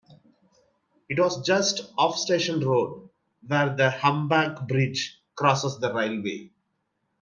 It was just off Station Road where the humpback bridge crosses the railway.